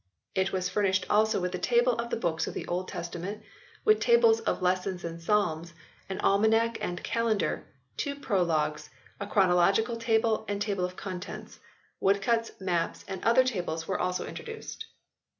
It was furnished also with a table of the books of the Old Testament with tables of lessons and psalms, an almanac and calendar, two prologues, a chronological table and table of contents ; woodcuts, maps and other tables were also introduced.